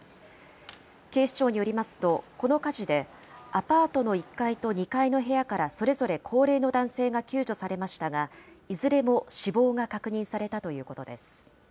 警視庁によりますと、この火事で、アパートの１階と２階の部屋からそれぞれ高齢の男性が救助されましたが、いずれも死亡が確認されたということです。